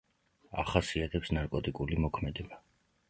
ახასიათებს ნარკოტიკული მოქმედება.